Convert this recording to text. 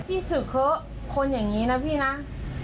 ที่สุขคนอย่างนี้นะพี่นะ